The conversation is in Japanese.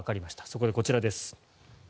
そこでこちらです。